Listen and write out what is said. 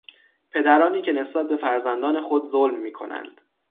پدرانی که نسبت به فرزندان خود ظلم میکنند